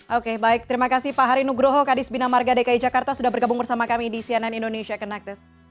oke baik terima kasih pak hari nugroho kadis bina marga dki jakarta sudah bergabung bersama kami di cnn indonesia connected